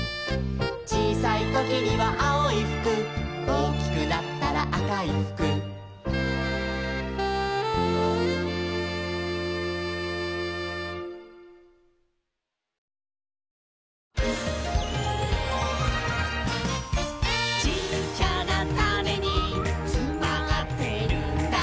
「ちいさいときにはあおいふく」「おおきくなったらあかいふく」「ちっちゃなタネにつまってるんだ」